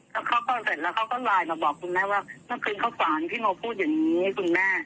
แล้วเขาก็เสร็จแล้วเขาก็ไลน์มาบอกคุณแม่ว่ามันเป็นข้าวสารพี่โมพูดอย่างนี้คุณแม่